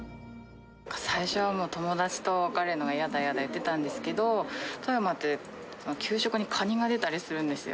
最初はもう、友達と別れるのが嫌だ嫌だ言ってたんですけど、富山って、給食にカニが出たりするんですよ。